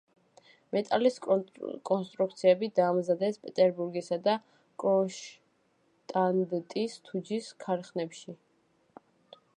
მეტალის კონსტრუქციები დაამზადეს პეტერბურგისა და კრონშტადტის თუჯის ქარხნებში.